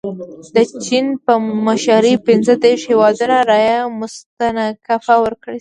د چین په مشرۍ پنځه دېرش هیوادونو رایه مستنکفه ورکړه.